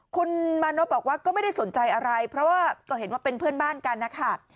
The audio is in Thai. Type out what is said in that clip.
คุณมานพบอกว่าก็ไม่ได้สนใจอะไรเพราะว่าก็เห็นว่าเป็นเพื่อนบ้านกันนะคะ